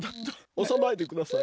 おさないでください。